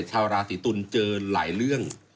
ชาวราศีตุลเจอหลายเรื่อง